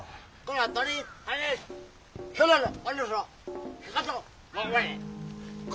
はい。